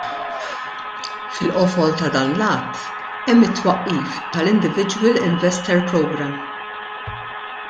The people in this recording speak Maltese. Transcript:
Fil-qofol ta' dan l-Att hemm it-twaqqif tal-Individual Investor Programme.